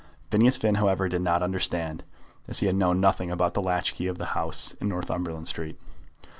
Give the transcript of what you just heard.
Phineas Finn, however, did not understand, as he had known nothing about the latch key of the house in Northumberland Street.